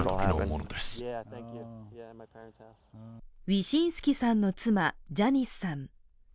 ウィシンスキさんの妻ジャニスさん。